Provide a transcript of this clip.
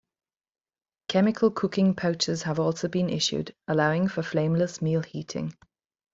Chemical cooking pouches have also been issued, allowing for flameless meal heating.